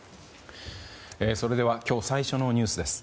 それでは今日、最初のニュースです。